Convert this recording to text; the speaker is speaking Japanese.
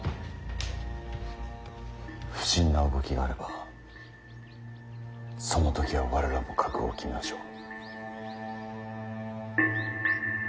不審な動きがあればその時は我らも覚悟を決めましょう。